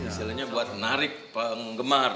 istilahnya buat narik penggemar